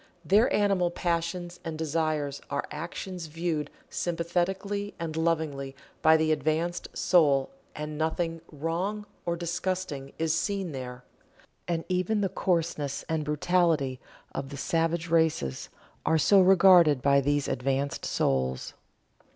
Their animal passions and desires are actions viewed sympathetically and lovingly by the advanced soul, and nothing "Wrong" or disgusting is seen there. And even the coarseness and brutality of the savage races are so regarded by these advanced souls.